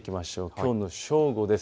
きょうの正午です。